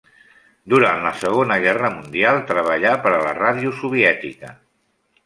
Durant la segona guerra mundial treballà per a la Ràdio Soviètica.